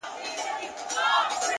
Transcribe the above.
د کوڅې ورو تګ د فکر سرعت کموي!